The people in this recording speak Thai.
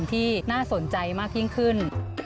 ที่น่าสนใจมากยิ่งขึ้น